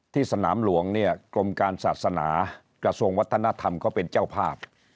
สนามหลวงเนี่ยกรมการศาสนากระทรวงวัฒนธรรมเขาเป็นเจ้าภาพ